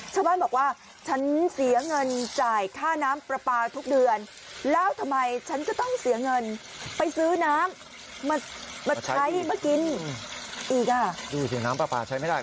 ชั้นก็เสียเงินจ่ายค่าน้ำปรปราตุรปะทุกเดือนแล้วทำไมฉันก็ต้องเสียเงินไปซื้อน้ำมากินดูสิงค์น้ำปรปอใช้ไม่ได้